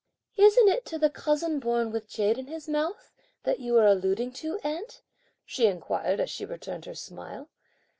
"Isn't it to the cousin born with jade in his mouth, that you are alluding to, aunt?" she inquired as she returned her smile.